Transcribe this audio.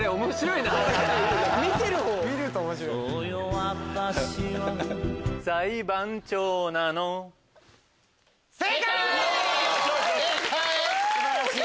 私は素晴らしい！